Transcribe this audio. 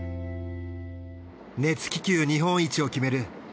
熱気球日本一を決める